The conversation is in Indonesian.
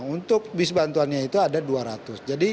untuk bis bantuannya itu ada dua ratus